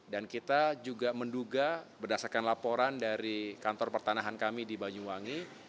dan kita juga menduga berdasarkan laporan dari kantor pertanahan kami di banyuwangi